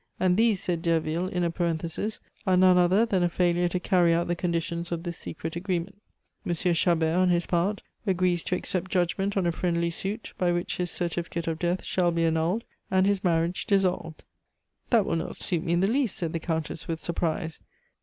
And these," said Derville, in a parenthesis, "are none other than a failure to carry out the conditions of this secret agreement. M. Chabert, on his part, agrees to accept judgment on a friendly suit, by which his certificate of death shall be annulled, and his marriage dissolved." "That will not suit me in the least," said the Countess with surprise.